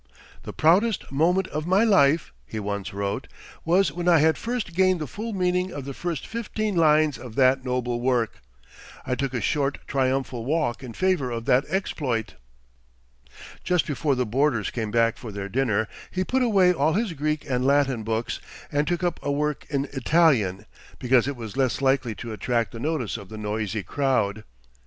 "The proudest moment of my life," he once wrote, "was when I had first gained the full meaning of the first fifteen lines of that noble work. I took a short triumphal walk in favor of that exploit." Just before the boarders came back for their dinner, he put away all his Greek and Latin books, and took up a work in Italian, because it was less likely to attract the notice of the noisy crowd.